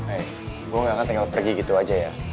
eh gue gak akan tinggal pergi gitu aja ya